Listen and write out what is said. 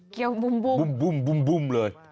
เกี้ยวบุ้ม